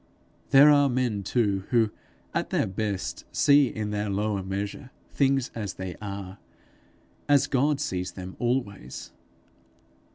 There are men too, who, at their best, see, in their lower measure, things as they are as God sees them always.